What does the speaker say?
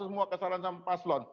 semua kesalahan sama paslon